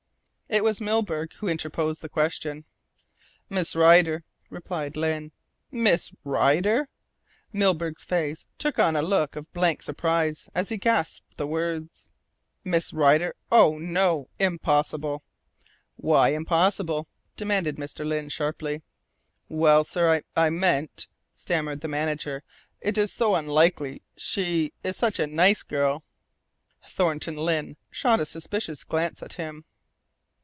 It was Milburgh who interposed the question. "Miss Rider," replied Lyne. "Miss Rider!" Milburgh's face took on a look of blank surprise, as he gasped the words. "Miss Rider oh, no, impossible!" "Why impossible?" demanded Mr. Lyne sharply. "Well, sir, I meant " stammered the manager, "it is so unlikely she is such a nice girl " Thornton Lyne shot a suspicious glance at him.